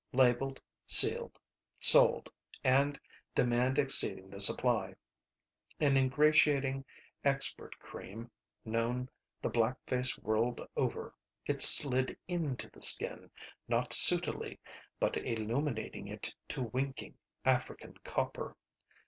Labeled. Sealed. Sold. And demand exceeding the supply. An ingratiating, expert cream, known the black faced world over. It slid into the skin, not sootily, but illuminating it to winking, African copper.